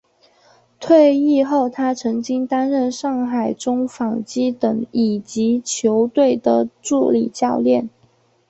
退役后他曾经担任上海中纺机等乙级球队的助理教练。